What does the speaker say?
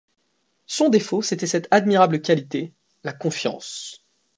Son défaut, c’était cette admirable qualité, la confiance.